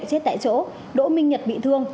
chết tại chỗ đỗ minh nhật bị thương